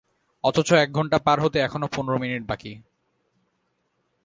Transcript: অথচ এক ঘণ্টা পার হতে এখনো পনের মিনিট বাকি।